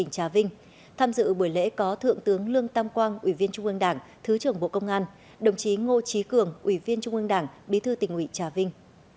chí cường ủy viên trung ương đảng bí thư tỉnh ủy trà vinh